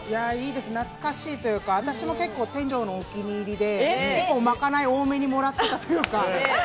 懐かしいというか、私も店長のお気に入りで、まかない多めにもらっていたというか。